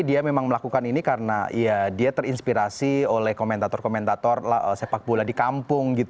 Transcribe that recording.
dia memang melakukan ini karena ya dia terinspirasi oleh komentator komentator sepak bola di kampung